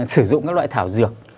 sử dụng các loại thảo dược